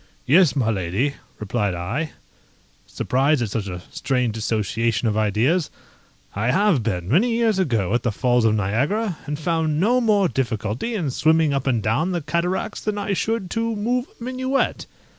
"Yes, my lady," replied I, surprised at such a strange association of ideas; "I have been, many years ago, at the Falls of Niagara, and found no more difficulty in swimming up and down the cataracts than I should to move a minuet."